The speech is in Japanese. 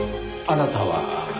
あなたは？